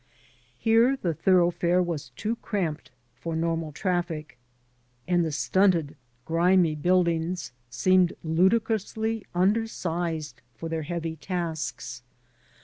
Here the thoroughfare was too cramped for normal traffic, and the stunted, grimy buildings seemed ludicrously undersized for their heavy tasks.